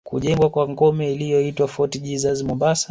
Kujengwa kwa ngome iliyoitwa Fort Jesus Mombasa